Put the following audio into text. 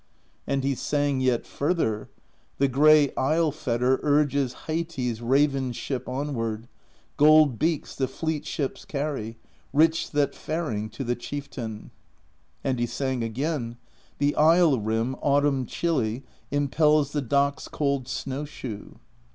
And he sang yet further: The gray Isle Fetter urges Heiti's raven ship onward; Gold beaks the fleet ships carry: Rich that faring to the Chieftain, And he sang again: The Isle Rim autumn chilly Impels the dock's cold snowshoe.